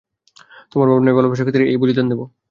তোমার ভালবাসার খাতিরে, আমি এই বলিদান দেব।